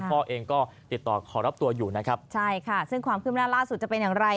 พ่อเองก็ติดต่อขอรับตัวอยู่นะครับใช่ค่ะซึ่งความคืบหน้าล่าสุดจะเป็นอย่างไร